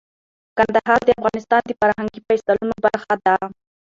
کندهار د افغانستان د فرهنګي فستیوالونو برخه ده.